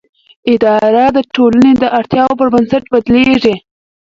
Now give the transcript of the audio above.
اداره د ټولنې د اړتیاوو پر بنسټ بدلېږي.